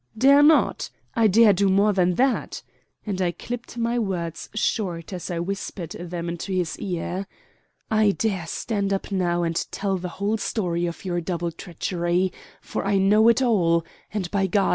"Dare not? I dare do more than that," and I clipped my words short as I whispered them into his ear. "I dare stand up now and tell the whole story of your double treachery, for I know it all: and, by God!